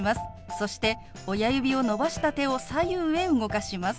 そして親指を伸ばした手を左右へ動かします。